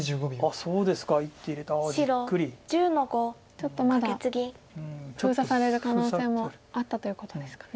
ちょっとまだ封鎖される可能性もあったということですかね。